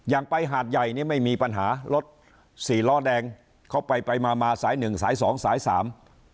ไปหาดใหญ่นี่ไม่มีปัญหารถสี่ล้อแดงเข้าไปไปมามาสายหนึ่งสายสองสายสาม